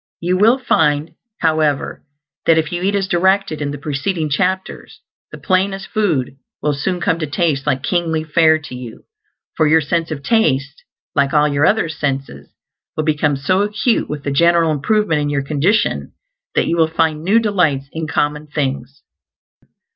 You will find, however, that if you eat as directed in the preceding chapters, the plainest food will soon come to taste like kingly fare to you; for your sense of taste, like all your other senses, will become so acute with the general improvement in your condition that you will find new delights in common things.